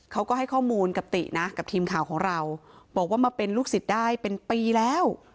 เขาก็ให้ข้อมูลกับตินะกับทีมข่าวของเราบอกว่ามาเป็นลูกศิษย์ได้เป็นปีแล้ว